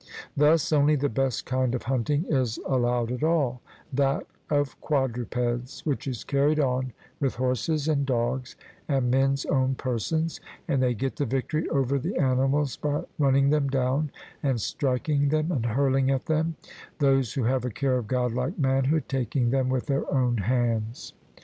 Thus, only the best kind of hunting is allowed at all that of quadrupeds, which is carried on with horses and dogs and men's own persons, and they get the victory over the animals by running them down and striking them and hurling at them, those who have a care of godlike manhood taking them with their own hands.